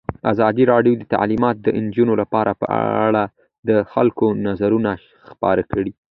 ازادي راډیو د تعلیمات د نجونو لپاره په اړه د خلکو نظرونه خپاره کړي.